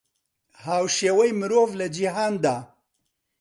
هاوشێوەی مرۆڤ لە جیهاندا